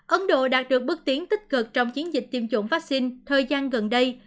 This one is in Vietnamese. ấn độ đạt được bước tiến tích cực trong chiến dịch tiêm chủng vắc xin thời gian gần đây